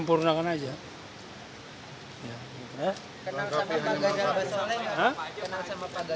kenal sama pak gajal baswale nggak pak